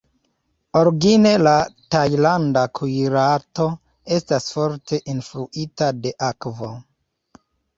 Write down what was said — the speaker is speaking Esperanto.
Origine la tajlanda kuirarto estas forte influita de akvo.